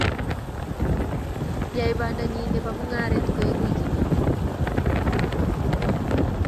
yae panda nyi nebo mugaret koek wikit ne nyonei